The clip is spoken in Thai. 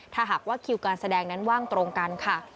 ถ้าหากว่าคิวการแสดงนั้นว่างตรงกันค่ะ